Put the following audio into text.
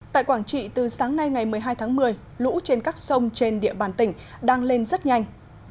tại quảng trị từ sáng nay ngày một mươi hai tháng một mươi lũ trên các sông trên địa bàn tỉnh đang lên rất nhanh